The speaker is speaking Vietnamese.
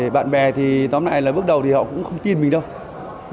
bạn bè thì tóm lại là bước đầu thì họ cũng không tin mình đâu